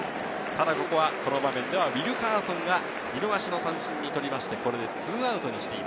ただ、この場面ではウィルカーソンが見逃し三振に取りました。